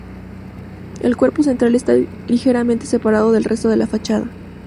El cuerpo central está ligeramente separado del resto de la fachada.